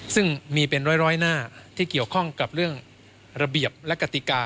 ซึ่งมีเป็นร้อยหน้าที่เกี่ยวข้องกับเรื่องระเบียบและกติกา